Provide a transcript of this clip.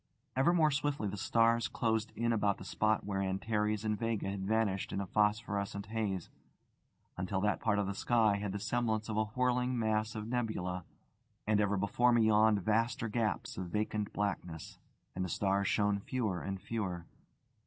Ever more swiftly the stars closed in about the spot where Antares and Vega had vanished in a phosphorescent haze, until that part of the sky had the semblance of a whirling mass of nebulae, and ever before me yawned vaster gaps of vacant blackness, and the stars shone fewer and fewer.